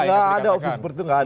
nggak ada opsi seperti itu